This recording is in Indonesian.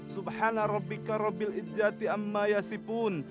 subhanarrabbika rabbil izzati amma yasipun